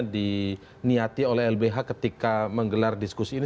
diniati oleh lbh ketika menggelar diskusi ini